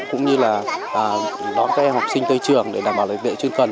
cũng như là đón các em học sinh tới trường để đảm bảo lợi vệ chuyên cần